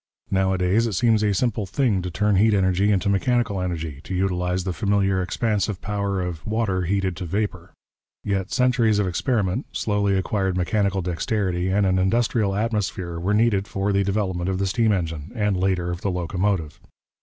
Nowadays it seems a simple thing to turn heat energy into mechanical energy, to utilize the familiar expansive power of water heated to vapour. Yet centuries of experiment, slowly acquired mechanical dexterity, and an industrial atmosphere were needed for the development of the steam engine, and later of the locomotive.